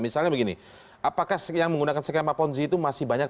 misalnya begini apakah yang menggunakan skema ponzi itu masih banyak